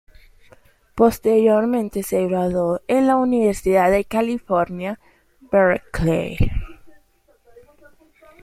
Posteriormente se graduó en la Universidad de California, Berkeley.